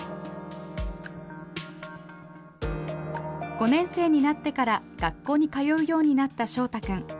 ５年生になってから学校に通うようになったしょうたくん。